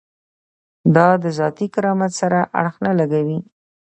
دا د ذاتي کرامت سره اړخ نه لګوي.